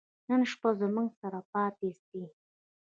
نن شپه زموږ سره پاته سئ.